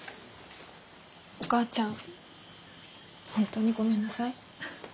お母ちゃん本当にごめんなさい。